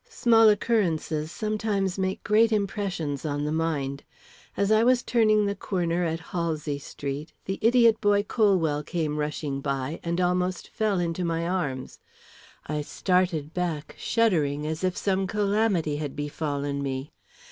Small occurrences sometimes make great impressions on the mind. As I was turning the corner at Halsey Street, the idiot boy Colwell came rushing by, and almost fell into my arms. I started back, shuddering, as if some calamity had befallen me.